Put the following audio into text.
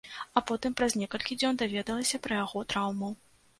А потым праз некалькі дзён даведалася пра яго траўму.